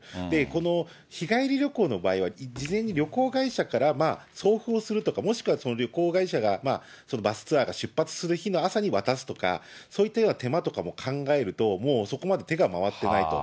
この日帰り旅行の場合は事前に旅行会社から送付をするとか、もしくは旅行会社がバスツアーが出発する日の朝に渡すとか、そういったような手間とかも考えると、もうそこまで手が回ってないと。